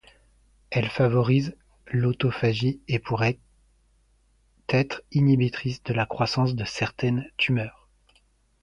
Elle favorise l'autophagie et pourrait être inhibitrice de la croissance de certaines tumeurs.